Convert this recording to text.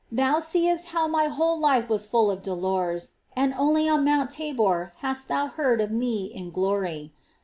^ Thou seest how My whole life was full of dolors, and only on Mount Tabor hast thou heard of Me in glory.